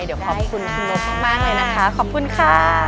เดี๋ยวขอบคุณคุณนกมากเลยนะคะขอบคุณค่ะ